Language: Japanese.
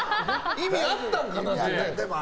意味あったんかなって。